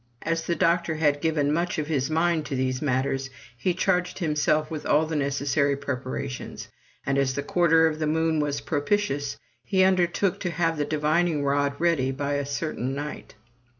As the doctor had given much of his mind to these mat ters, he charged himself with all the necessary preparations, and, as the quarter of the moon was propitious, he undertook to have the divining rod ready by a certain night.